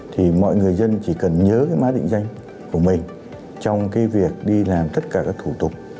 thì mọi người dân chỉ cần nhớ cái mã định danh của mình trong cái việc đi làm tất cả các thủ tục